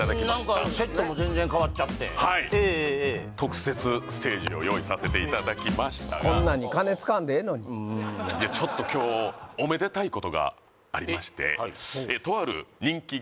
え何かセットも全然変わっちゃってええええええ特設ステージを用意させていただきましたがこんなんに金使わんでええのにちょっと今日おめでたいことがありまして